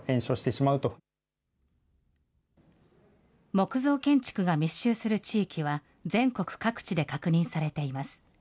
木造建築が密集する地域は、全国各地で確認されています。